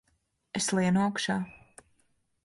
Es lienu augšā!